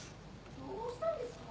どうしたんですか？